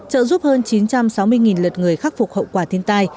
trợ giúp hơn chín trăm sáu mươi lượt người khắc phục hậu quả thiên tai